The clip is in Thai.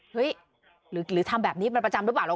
ะาหรือทำแบบนี้มาประจำรึเปล่า